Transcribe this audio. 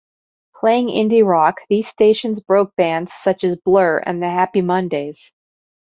Playing indie rock, these stations broke bands such as Blur and The Happy Mondays.